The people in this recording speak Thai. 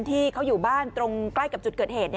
ที่เขาอยู่บ้านตรงใกล้กับจุดเกิดเหตุ